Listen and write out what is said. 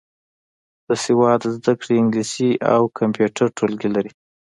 د سواد زده کړې انګلیسي او کمپیوټر ټولګي لري.